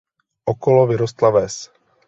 Okolo vyrostla ves.